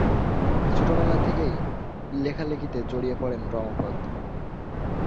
ছোটবেলা থেকেই লেখালেখিতে জড়িয়ে পড়েন রমাপদ।